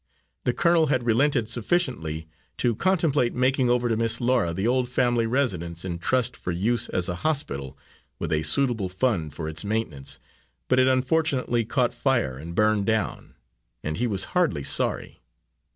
The colonel had relented sufficiently to contemplate making over to Miss Laura the old family residence in trust for use as a hospital, with a suitable fund for its maintenance, but it unfortunately caught fire and burned down and he was hardly sorry.